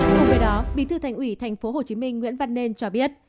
cùng với đó bí thư thành ủy tp hcm nguyễn văn nên cho biết